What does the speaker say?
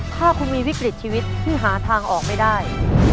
ถ้าคุณมีวิกฤตชีวิตที่หาทางออกไม่ได้